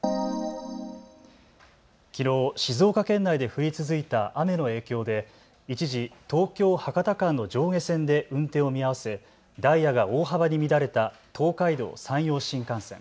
きのう静岡県内で降り続いた雨の影響で一時、東京・博多間の上下線で運転を見合わせダイヤが大幅に乱れた東海道、山陽新幹線。